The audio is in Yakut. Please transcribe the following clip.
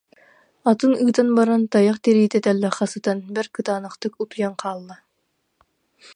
Атын ыытан ба- ран, тайах тириитэ тэллэххэ сытан бэрт кытаанахтык утуйан хаалла